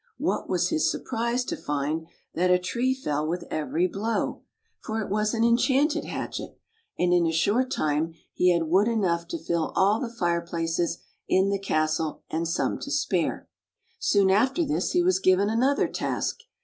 What was his surprise to find that a tree fell with [ 92 ] THE TORTOISE SHELL CAT every blow — for it was an enchanted hatchet — and in a short time he had wood enough to fill all the fire places in the castle, and some to spare. Soon after this he was given another task.